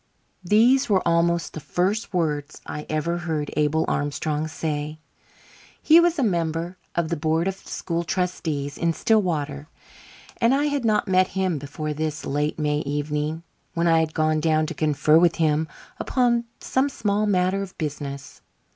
These were almost the first words I ever heard Abel Armstrong say. He was a member of the board of school trustees in Stillwater, and I had not met him before this late May evening, when I had gone down to confer with him upon some small matter of business.